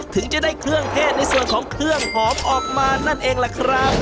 ถึงจะได้เครื่องเทศในส่วนของเครื่องหอมออกมานั่นเองล่ะครับ